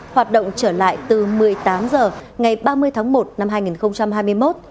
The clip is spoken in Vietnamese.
hoạt động trở lại từ một mươi tám h ngày ba mươi tháng một năm hai nghìn hai mươi một